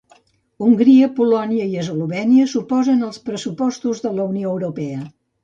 Hongria, Polònia i Eslovènia s'oposen als pressupostos de la Unió Europea.